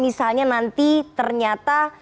misalnya nanti ternyata